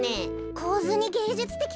こうずにげいじゅつてき